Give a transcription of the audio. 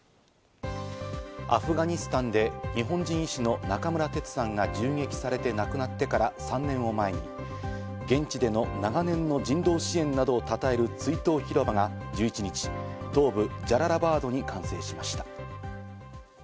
アフガニスタンで日本人医師の中村啓さんが銃撃されて亡くなってから３年を前に現地での長年の人道支援などをたたえる追悼広場が１１日、東部ジャララバードに完成しました。